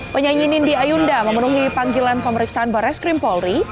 penyanyi nindi ayunda memenuhi panggilan pemeriksaan barat skrimpolri